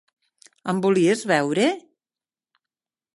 Em volies veure?